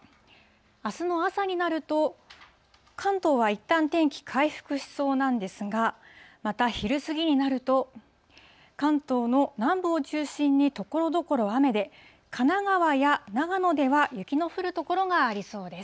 あすの朝になると、関東はいったん天気回復しそうなんですが、また昼過ぎになると、関東の南部を中心に、ところどころ雨で、神奈川や長野では雪の降る所がありそうです。